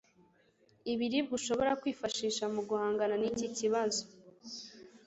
Ibiribwa ushobora kwifashisha mu guhangana n'iki kibazo